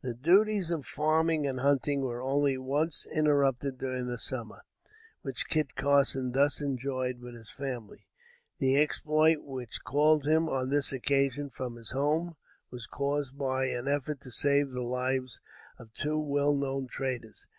The duties of farming and hunting were only once interrupted during the summer which Kit Carson thus enjoyed with his family. The exploit which called him, on this occasion, from his home, was caused by an effort to save the lives of two well known traders.